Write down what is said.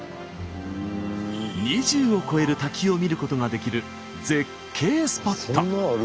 ２０を超える滝を見ることができる絶景スポット！